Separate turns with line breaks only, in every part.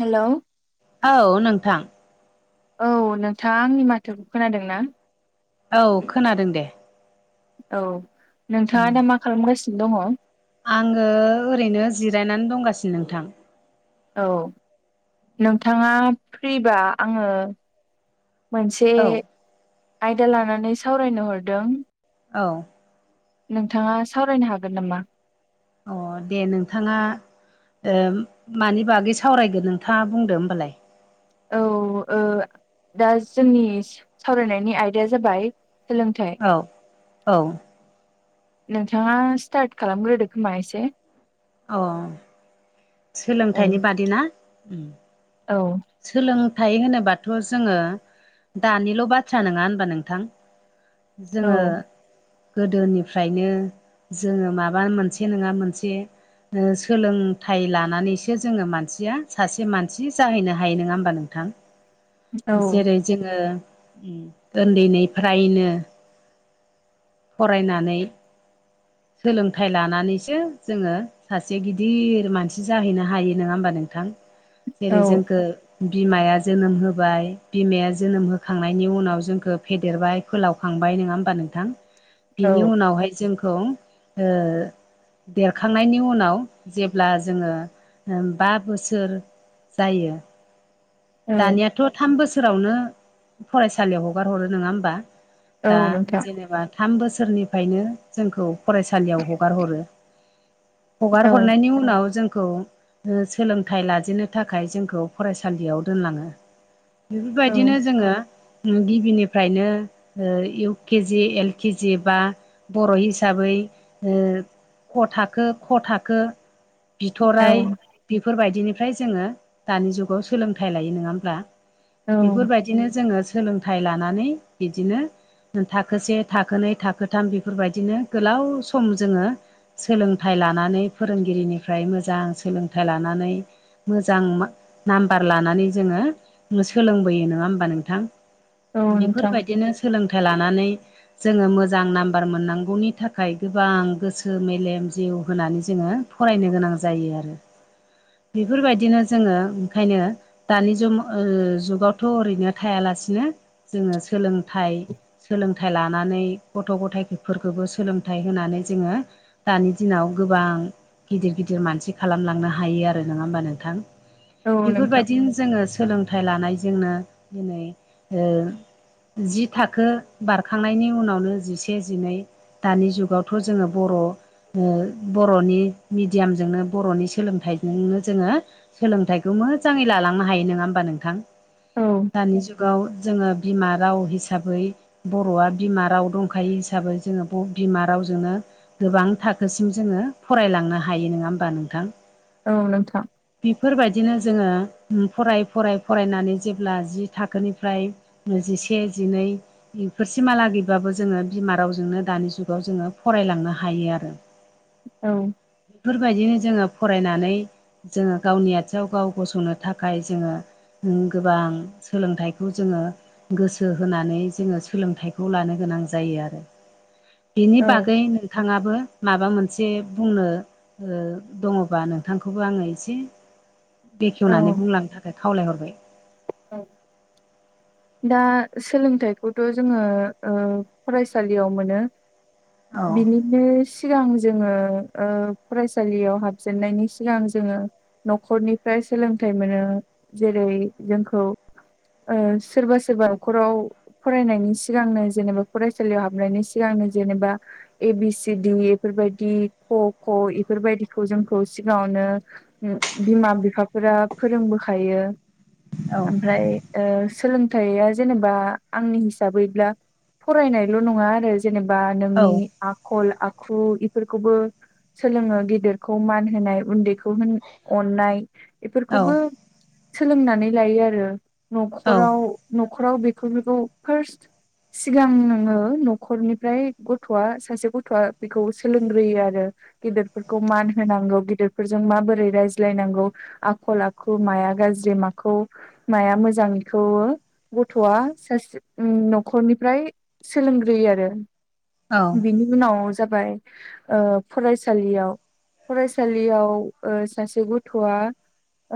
Hello
औ नोंथां
औ नोंथां आंनि माथोखौ खोनादों ना
औ खोनादों दे
औ नोंथाङा दा मा खालामगासिनो दङ?
आङो ओरैनो जिरायनानै दंगासिनो नोंथां
औ नोंथाङा फ्रिबा आङो मोनसे
औ
आयदा लानानै सावरायनो हरदों
औ
नोंथाङा सावरायनो हागोन नामा?
अ दे नोंथाङा ओ मानि बागै सावरायगोन नोंथाङा बुंदो होमबालाय
औ ओ दा जोंनि सावरायनायनि आयदाया जाबाय सोलोंथाइ
औ-औ
नोंथाङा स्टार्ट खालामग्रोदो खोमा एसे
अ
औ
सोलोंथाइनि बादै ना
औ
सोलोंथाइ होनोबाथ' जोङो दानिल' बाथ्रा नङा होनबा नोंथां
औ
जोङो गोदोनिफ्रायनो जोङो माबा मोनसे नङा मोनसे सोलोंथाइ लानानैसो जोङो मानसिया सासे मानसि जाहैनो हायो नङा ओमबा
औ
नोंथां जेरै जोङो उन्दैनिफ्रायनो फरायनानै सोलोंथाइ लानानैसो जोङो सासे गिदिर मानसि जाहैनो हायो नङा ओमबा नोंथां जेरै
औ
जोंखौ बिमाया जोनोम होबाय बिमाया जोनोम होखांनायनि उनाव जोंखौ फेदेरबाय फोलावखांबाय नङा होमबा नोंथां
[inaudible]
बिनि उनावहाय जोंखौ ओ देरखांनायनि उनाव जेब्ला जोङो बा बोसोर जायो
औ
दानियाथ' थाम बोसोरावनो फरायसालियाव हगार हरो नङा होमबा
औ
दा
नोंथां
जेनेबा थाम बोसोरनिफ्रायनो जोंखौ फरायसालियाव हगार हरो
औ
हगार हरनायनि उनाव जोंखौ सोलोंथाइ लाजेननो थाखाय जोंखौ फरायसालियाव दोनलाङो
औ
बेफोरबायदिनो जोङो गिबिनिफ्रायनो इउ केजि एल केजि बा बर' हिस साबै ओ क थाखो ख थाखो
औ
बिथराय बेफोरबायदिनिफ्राय जोङो दानि जुगाव सोलोंथाइ लायो नङा होमब्ला
औ
बेफोरबायदि बिदिनो जोङो सोलोंथाइ लानानै बिदिनो थाखोसे थाखोनै थाखोथाम बेफोरबायदिनो गोलाव सम जोङो सोलोंथाइ लानानै फोरोंगिरिनिफ्राय मोजां सोलोंथाइ लानानै मोजां नाम्बार लानानै जोङो सोलोंबोयो नङा होमबा नोंथां
औ नोंथां
बेफोरबायदिनो सोलोंथाइ लानानै जोङो मोजां नाम्बार मोननांगौनि थाखाय गोबां गोसो मेलेम जिउ होनानै जोङो फरायनो गोनां जायो आरो बेफोरबायदिनो जोङो ओंखायनो दानि जु जुगावथ' ओरैनो थायालासिनो जोङो सोलोंथाइ सोलोंथाइ लानानै गथ' गथायफोरखौबो सोलोंथाइ होनानै जोङो दानि दिनाव गोबां गिदिर गिदिर मानसि खालामलांनो हायो आरो नङा होमबा नोंथां
औ नोंथां
बेफोरबायदिनो जोङो सोलोंथाइ लानायजोंनो दिनै जि थाखो बारखांनायनि उनावनो जिसे जिनै दानि जुगावथ' जोङो बर' बर'नि मिडियामजोंनो बर'नि सोलोंथाइजोंनो जोङो सोलोंथाइखौ मोजाङै लालांनो हायो नङा होमबा नोंथां
औ
दानि जुगाव जोङो बिमा राव हिसाबै बर'आ बिमा राव दंखायो हिसाबै जोङो बिमा रावजोंनो गोबां थाखोसिम जोङो फरायलांनो हायो नोङा होमबा नोंथां।
औ नोंथां
बेफोर बायदिनो जोङो फराय-फराय फरायनानै जेब्ला जि थाखोनिफ्राय जिसे जिनै बेफोर सिमा मालागैबाबो जोङो बिमा रावजोंनो दानि जुगाव जोङो फरायलांनो हायो आरो।
औ।
बेफोर बायदिनो जोङो फरायनानै जोङो गावनि आथिङाव गाव गसंनो थाखाय जोङो जों गोबां सोलोंथाइखौ जोङो गोसो होनानै जोङो सोलोंथाइखौ लानो गोनां जायो आरो। बिनि
औ
बागै नोंथाङाबो माबा मोनसे बुंनो ओ दङ'बा नोंथांखौबो आङो एसे बेखेवनानै बुंलांनो थाखाय खावलायहरबाय।
औ। दा सोलोंथाइखौथ' जोङो ओ फरायसालियाव मोनो।
औ
बिनि बे सिगां जोङो ओ फरायसालियाव हाबजेननायनि सिगां जोङो न'खरनिफ्राय सोलोंथाइ मोनो जेरै जोंखौ ओ सोरबा- सोरबा न'खराव फरायनायनि सिगांनो जेनेबा फरायसालियाव हाबनायनि सिगांनो जेनेबा ए बि सिडि इफोर बायदि क ख इफोर बायदिखौ जोंखौ सिगाङावनो बिमा-बिफाफोरा फोरोंबोखायो ओमफ्राय ओ सोलोंथाइया जेनेबा आंनि हिसाबैब्ला फरायनायल' नङा आरो जेनेबा नोंनि आखल-आखु इफोरखौबो सोलोङो गेदेरखौ मान होनाय उन्दैखौ होन अननाय इफोरखौबो सोलोंनानै लायो आरो न'खराव न'खराव बेफोरखौ फार्स्ट सिगां नोङो न'खरनिफ्राय गथ'आ सासे गथ'आ बेखौ सोलोंग्रोयो आरो। गिदिरफोरखौ मान होनांगौ गिदिरफोरजों माबोरै रायज्लायनांगौ आखल-आखु माया गाज्रि माखौ माया मोजां खौ ओ गथ'आ सासे उम न'खरनिफ्राय सोलोंग्रोयो आरो बिनि उनाव जाबाय ओ फरायसालियाव फरायसालियाव ओ सासे गथ'आ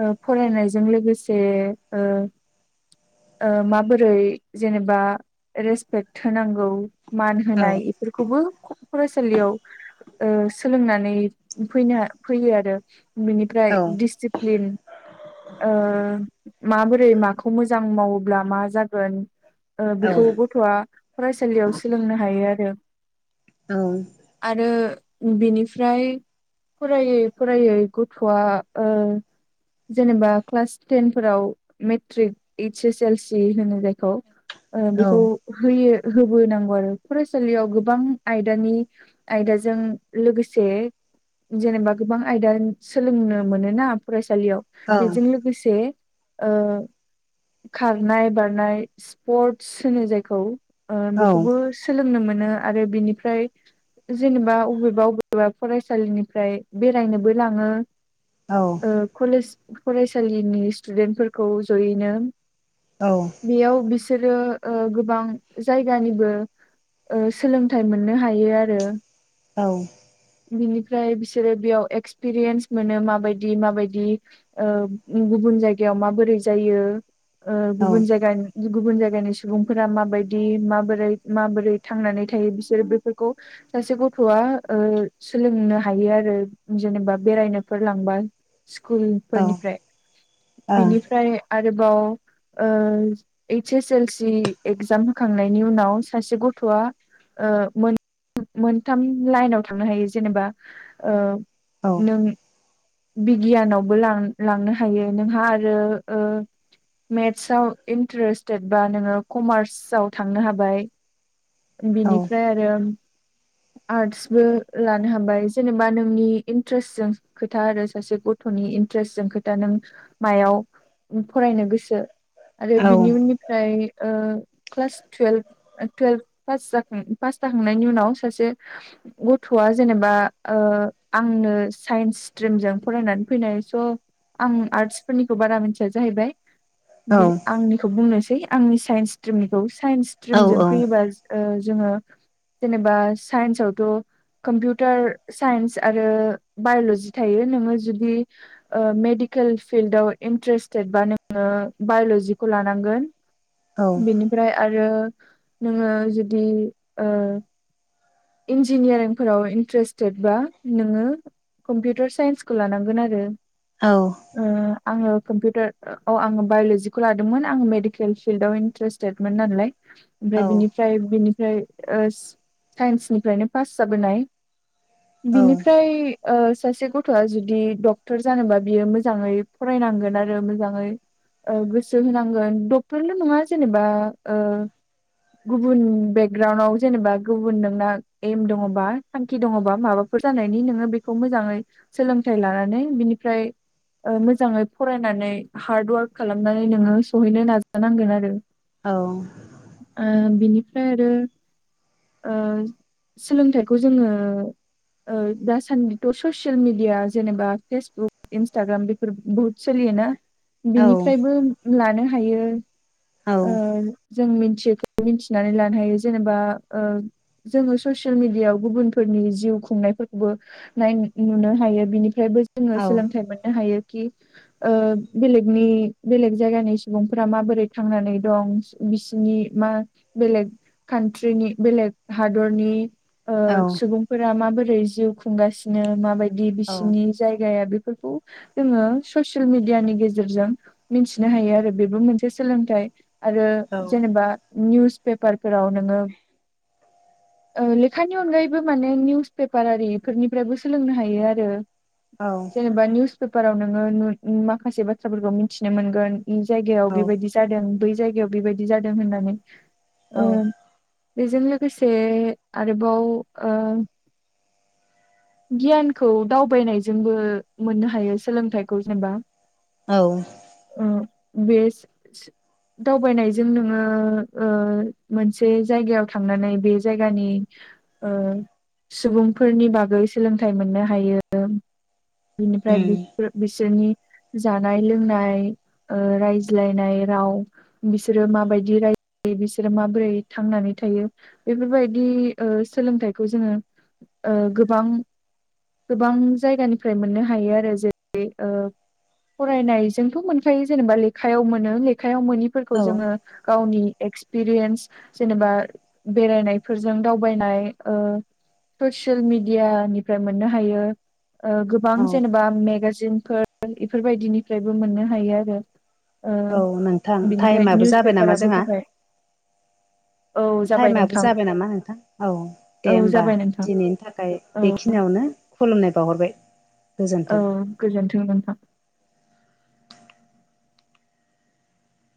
ओ फरायनायजों लोगोसे ओ ओ माबोरै जेनेबा रेसपेक्ट होनांगौ मान होनाय बेफोरखौबो फ-फरायसालियाव ओ सोलोंनानै फैना फैयो आरो। बिनिफ्राय दिसिप्लिन ओ माबोरै मा खौ मोजां मावोब्ला मा जागोन ओ बेखौ गथ'आ फरायसालियाव सोलोंनो हायो आरो।
औ
आरो बेनिफ्राय फरायै फरायै गथ'आ ओ जेनेबा क्लास टेन फोराव matric S L C होनो जायखौ ओ बेखौ होयो होबोनांगौ आरो फरायसालियाव गोबां आयदानि आयदाजों लोगोसे जेनेबा गोबां आयदा सोलोंनो मोनो ना फरायसालियाव बेजों लोगोसे ओ खारनाय बारनाय स्पर्टस होनो जायखौ ओ बेखौबो सोलोंनो मोनो आरो बिनिफ्राय जेनेबा अबेबा अबेबा फरायसालिनिफ्राय बेरायनोबो लाङो।
औ
ओ कलेज फरायसालिनि स्टुडेन्टफोरखौ जयैनो
औ
बेयाव बिसोरो ओ गोबां जायगानिबो ओ सोलोंथाइ मोननो हायो आरो।
औ
बिनिफ्राय बिसोरो बियाव एक्सपिरियेन्स मोनो माबायदि माबायदि। ओ गुबुन जायगायाव माबोरै जायो ओ गुबुन जायगानि गुबुन जायगानि सुबुंफोरा माबायदि माबोरै माबोरै थांनानै थायो बिसोरो बेफोरखौ सासे गथ'आ ओ सोलोंनो हायो आरो जेनेबा बेरायनोफोर लांबा। स्कुलफोरनिफ्राय बिनिफ्राय आरोबाव ओ ओइस एस एल सि एगजाम होखांनायनि उनाव सासे गथ'आ ओ मोनथाम लाइनाव थांनो हायो जेनेबा ओ नों बिगियानावबो लां लांनो हायो। नोंहा आरो ओ मेथ्सआव इन्टारेस्टेडबा नोङो कमार्स थांनो हाबाय बिनिफ्राय आरोम आर्टसबो लानो हाबाय जेनेबा नोंनि इन्ट्रेस जों खोथा आरो सासे गथ'नि इन्ट्रेस्जों खोथा नों मायाव फरायनो गोसो आरो बिनि उननि फ्राय ओ क्लास टुयेल्भ ओ टुयेल्भास पास जाखांनायनि उनाव सासे गथ'आ जेनेबा ओ आंनो साइन्स स्ट्रिमजों फरायनानै फैनाय स' आं आर्टस फोरनिखौ बारा मिनथिया जाहैबाय। बि आंनिखौ बुंनोसै आंनि साइन्स स्ट्रिमनिखौ। साइन्स स्ट्रिमजों फैयोबा ओ जोङो जेनेबा साइन्सावथ' कम्पिउटार साइन्स आरो बायल'जि थायो नोङो जुदि मेडिकेल फिल्डाव इन्ट्रेस्टेड बा नोङो बायल'जिखौ लानांगोन। बिनिफ्राय आरो नोङो जुदि ओ इन्जिनियारिंफोराव इन्टारेस्टेड बा नोङो कम्पिउटार साइन्सखौ लानांगोन आरो।
औ
ओ आङो कम्पिउटार औ आङो बायल'जिखौ लादोंमोन आङो मेडिकेल फिल्डआव इन्ट्रेस्ट स्टेटमेन्ट नालाय ओमफ्राय बिनिफ्राय बिनिफ्राय ओस साइन्सनिफ्रायनो पास जाबोनाय बिनिफ्राय सासे गथ'आ जुदि डक्टर जानोबा बियो मोजाङै फरायनांगोन आरो मोजाङै ओ गोसो होनांगोन। डक्टरल' नङा जेनेबा ओ गुबुन बेकग्राउनाव जेनेबा गौ गुबुन नोंना एम दङबा थांखि दङबा माबाफोर जानायनि नोङो बेखौ मोजाङै सोलोंथाइ लानानै बिनिफ्राय ओ मोजाङै फरायनानै हार्ड वार्क खालामनानै नोङो सहैनो नाजानांगोन आरो।
औ।
ओ बिनिफ्राय आरो ओ सोलोंथाइखौ जोङो ओ दासान्दिथ' ससियेल मिडिया जेनेबा फेसबुक इन्सटाग्राम बे फोर बुहुद सोलियोना बिनिफ्रायबो लानो हायो। ओ जों मिथियो मिनथिनानै लानो हायो। जेनेबा ओ जोङो ससियेल मिडियाव गुबुनफोरनि जिउ खुंनायफोरखौबो नाय नुनो हायो बिनिफ्रायबो जोङो सोलोंथाइ मोननो हायो। बेलेनि बेलेग जायगानि सुबुंफोरा माबोरै थांनानै दं बिसिनि मा बेलेग कान्ट्रिनि बेलेग हादरनि सुबुंफोरा माबोरै जिउ खुंगासिनो माबायदि बिसिनि जायगाया बेफोरखौ जोङो ससियेल मिडियानि गेजेरजों मिथिनो हायो आरो बेबो मोनसे सोलोंथाइ आरो जेनेबा निउस पेपारफोराव नोङो [inaudible] लेखानि अनगायैबो माने निउस पेपारारिफोरनिफ्रायबो सोलोंनो हायो आरो।
औ।
जेनेबा निउस पेपाराव नोङो माखासे बाथ्राफोरखौ मिथिनो मोनगोन जायगायाव बेबायदि जादों बै जायगायाव बेबायदि जादों होननानै बेजों लोगोसे आरोबाव गियानखौ दावबायनायजोंबो मोननो हायो सोलोंथाइखौ जेनेबा
औ।
आ बेस दावबायनायजों नोङो मोनसे जायगायाव थांनानै बे जायगानि सुबुंफोरनि बागै सोलोंथाइ मोननो हायो बिनिफ्राय बिसोरनि जानाय लोंनाय रायज्लायनाय राव बिसोरो माबायदि राय्लायो बिसोरो माबोरै थांनानै थायो। बेफोरबायदि सोलोंथाइखौ जोङो गोबां गोबां जायगानिफ्राय मोननो हायो आरो जेरै फरायनायजोंथ' मोनखायो जेनेबा लेखायाव मोनो लेखायाव मोनिफोरखौ जोङो गावनि एक्सपिरियेन्स जेनेबा बेरायनायफोरजों दावबायनाय। ससियेल मिडिया निफ्राय मोननो हायो गोबां जेनेबा मेगाजिनफोर इफोरबायदिनिफ्रायबो मोननो हायो आरो। ओ
औ नोंथां
बिनिफ्राय
टाइमाबो
निउस
जाबाय नामा
पेपाराबो
जोंहा।
जाबाय औ
टाइमाबो
नोंथां
जाबाय नामा नोंथां औ
औ
दे होमबा
जाबाय नोंथां
दिनैनि थाखाय।
औ
बेखिनियावनो खुलुमनाय बावहरबाय। गोजोन्थों।
औ गोजोन्थों नोंथां।